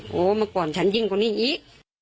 โหมาก่อนฉันยิ่งขวานนี้นี้